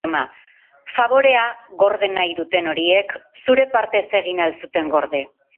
Faborea gorde nahi duten horiek zure partez egin al zuten gorde?